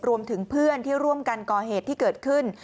รวมถึงเพื่อนที่ร่วมกันก่อเหตุที่เกิดขึ้น